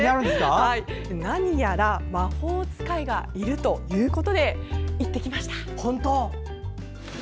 なにやら魔法使いがいるということで、行ってきました。